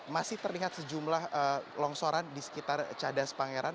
masih terlihat sejumlah longsoran di sekitar cadas pangeran